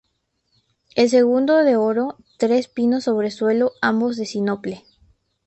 El segundo de oro, tres pinos sobre suelo ambos de sinople.